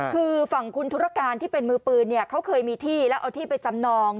คือฝั่งคุณธุรการที่เป็นมือปืนเขาเคยมีที่แล้วเอาที่ไปจำนอง